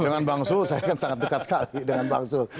dengan bang zul saya kan sangat dekat sekali dengan bang zul